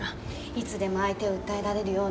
いつでも相手を訴えられるように。